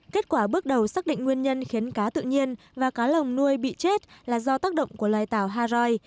kết quả bước đầu xác định nguyên nhân khiến cá tự nhiên và cá lồng nuôi bị chết là do tác động của loài tảo hai